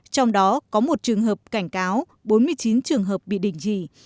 trong đó có một trường hợp cảnh cáo bốn mươi chín trường hợp bị định dị